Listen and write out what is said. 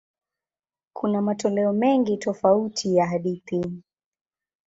Kuna matoleo mengi tofauti ya hadithi.